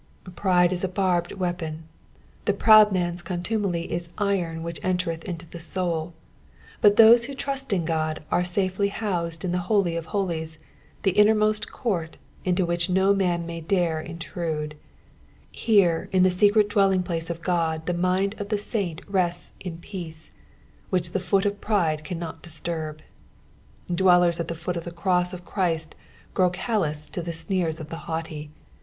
''' Pride is a barbed weapon : the proud man's contumely is iron whicb eutereth into the soul ; but those who trust in God, are safel; boused in the Holj of holies, the innermost court, into which no man may dare intrude ; here in the secret dwelling place of Qod the mind of the saint rests in peace, which the foot of piide cannot disturb. Dwellers at the foot of the cross of Christ grow callous to the sneers of the haughty.